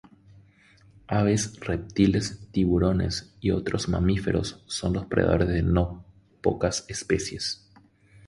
Aves, reptiles, tiburones y otros mamíferos son los predadores de no pocas especies.